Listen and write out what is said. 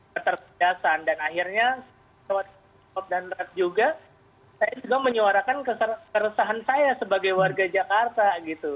keterpidasan dan akhirnya lewat musik hip hop dan ref juga saya juga menyuarakan keresahan saya sebagai warga jakarta gitu